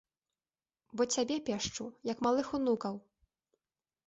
Бо цябе пешчу, як малых унукаў.